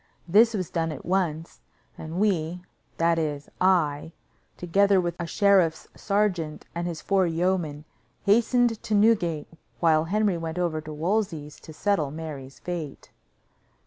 This was done at once, and we, that is, I, together with a sheriff's sergeant and his four yeomen, hastened to Newgate, while Henry went over to Wolsey's to settle Mary's fate.